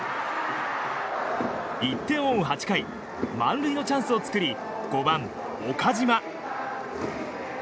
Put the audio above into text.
１点を追う８回満塁のチャンスを作り５番、岡島。